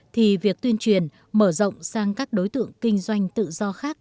thì việc tuyên truyền mở rộng sang các đối tượng kinh doanh tự do khác